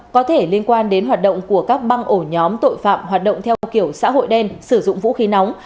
có thể liên quan đến hoạt động của các băng ổ nhóm tội phạm hoạt động theo kiểu xã hội đen sử dụng vũ khí nóng